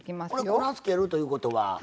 これ粉をつけるということは。